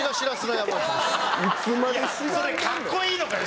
いやそれかっこいいのかよ？